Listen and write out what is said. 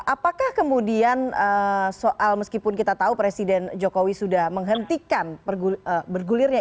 apakah kemudian soal meskipun kita tahu presiden jokowi sudah menghentikan bergulirnya